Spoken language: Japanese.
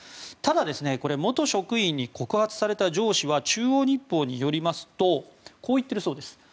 ただ、元職員に告発された上司は中央日報によりますとこう言っているそうです。